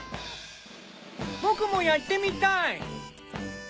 僕もやってみたい。